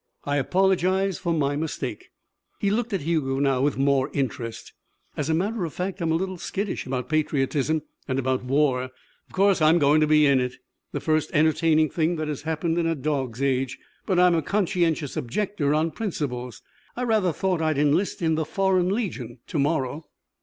I apologize for my mistake." He looked at Hugo with more interest. "As a matter of fact, I'm a little skittish about patriotism. And about war. Of course, I'm going to be in it. The first entertaining thing that has happened in a dog's age. But I'm a conscientious objector on principles. I rather thought I'd enlist in the Foreign Legion to morrow."